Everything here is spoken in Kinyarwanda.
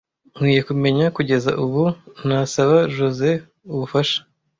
Nkwiye kumenya kugeza ubu ntasaba Josehl ubufasha.